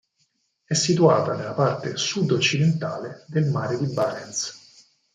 È situata nella parte sud-occidentale del mare di Barents.